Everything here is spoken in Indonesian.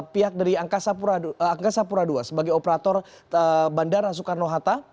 pihak dari angkasa pura ii sebagai operator bandara soekarno hatta